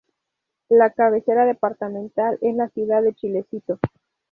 La cabecera departamental es la ciudad de Chilecito.